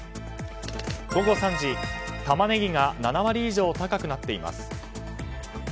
午後３時、タマネギが７割以上高くなっています。